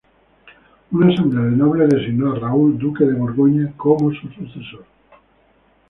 Una asamblea de nobles designó a Raúl, duque de Borgoña, como su sucesor.